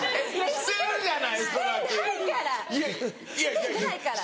してないから。